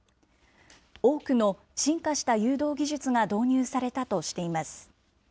多くの進化した誘導技術が導入されたとしています。